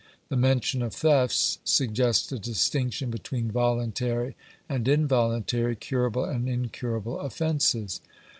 The mention of thefts suggests a distinction between voluntary and involuntary, curable and incurable offences.